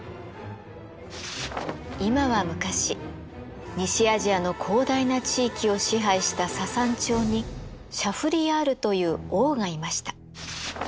今は昔西アジアの広大な地域を支配したササン朝にシャフリヤールという王がいました。